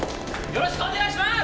よろしくお願いします！